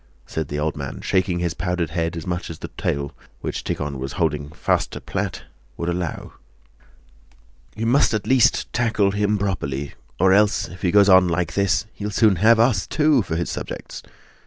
said the old man, shaking his powdered head as much as the tail, which Tíkhon was holding fast to plait, would allow. "You at least must tackle him properly, or else if he goes on like this he'll soon have us, too, for his subjects!